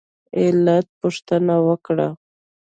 علت پوښتنه وکړه.